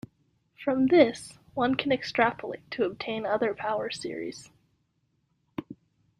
From this, one can extrapolate to obtain other power series.